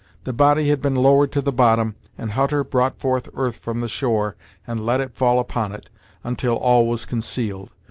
The body had been lowered to the bottom, and Hutter brought earth from the shore and let it fall upon it, until all was concealed.